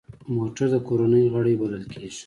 موټر د کورنۍ غړی بلل کېږي.